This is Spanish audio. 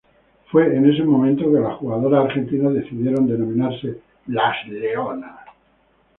Fue en ese momento que las jugadoras argentinas decidieron denominarse "Las Leonas".